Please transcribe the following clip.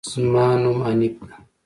زما نوم حنيف ده